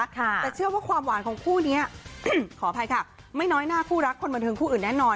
แต่เชื่อว่าความหวานของคู่นี้ขออภัยค่ะไม่น้อยหน้าคู่รักคนบันเทิงคู่อื่นแน่นอน